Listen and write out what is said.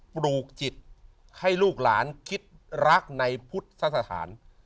ปลูกจิตให้ลูกหลานคิดรักในพุทธสถาน